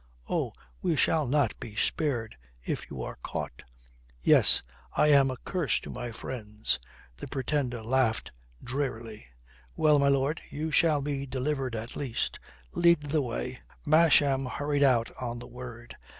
Oh, we shall not be spared if you are caught." "Yes. I am a curse to my friends." The Pretender laughed drearily. "Well, my lord, you shall be delivered at least. Lead the way." Masham hurried out on the word.